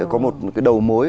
có một cái đầu mối